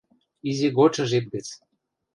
Изи годшы жеп гӹц